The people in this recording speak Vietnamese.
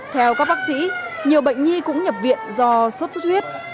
theo các bác sĩ nhiều bệnh nhi cũng nhập viện do sốt xuất huyết